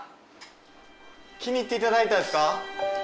気に入っていただいたんですか？